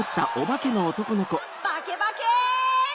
バケバケル！